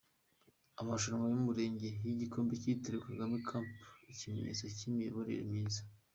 Amarushanwa y’Umurenge y’igikombe kitiriwe Kagame Cup, ikimenyetso cy’Imiyoborere myiza